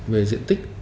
về diện tích